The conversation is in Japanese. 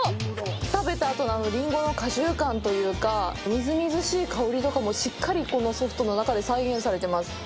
食べたあとの、あのリンゴの果汁感というか、みずみずしい香りとかもしっかりこのソフトの中で再現されています。